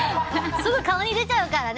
すぐに顔に出ちゃうからね。